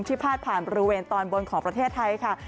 พาดผ่านบริเวณตอนบนของประเทศไทยค่ะ